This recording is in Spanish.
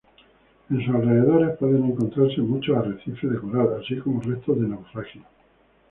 En sus alrededores pueden encontrarse muchos arrecifes de coral, así como restos de naufragios.